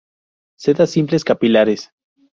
Sedas simples capilares.